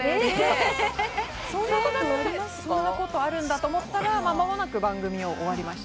そんなことあるんだと思ったら間もなく番組終わりました。